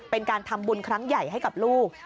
เป็นการทำบุญครั้งใหญ่ให้กับลูก